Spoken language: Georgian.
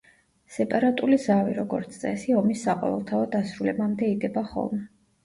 სეპარატული ზავი, როგორც წესი, ომის საყოველთაო დასრულებამდე იდება ხოლმე.